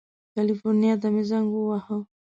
کلیفورنیا ته مې زنګ ووهه.